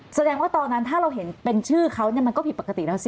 แสดงว่าตอนนั้นถ้าเราเห็นเป็นชื่อเขามันก็ผิดปกติแล้วสิ